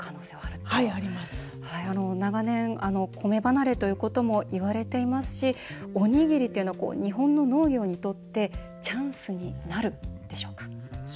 長年、コメ離れということもいわれていますしおにぎりというのは日本の農業にとってチャンスになるんでしょうか。